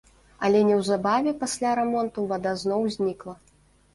Але неўзабаве пасля рамонту вада зноў знікла.